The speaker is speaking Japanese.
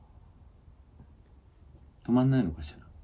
「止まんないのかしら？」